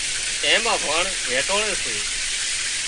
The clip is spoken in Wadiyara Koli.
اين مان واڻ ويٽوۯي سي